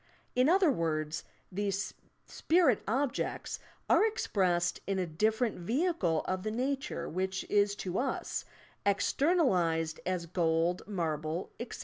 In other words, these spirit objeefs are expressed in a different vehicle of the nature which is to us, ex ternalized as gold, marble, etc.